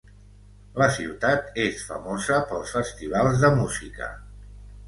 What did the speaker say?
La ciutat és famosa pels festivals de música.